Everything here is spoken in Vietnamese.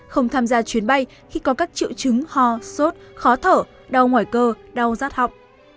không tham gia chuyến bay khi có các triệu chứng ho sốt khó thở đau ngoài cơ đau rát họng